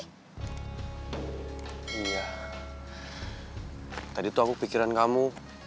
iya tadi tuh aku pikiran kamu